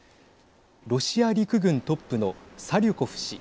ロシア陸軍トップのサリュコフ氏。